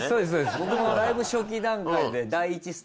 僕もだいぶ初期段階で。